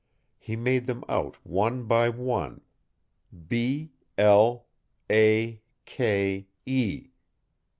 He made them out one by one B l a k e.